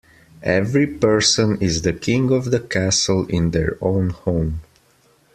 Every person is the king of the castle in their own home.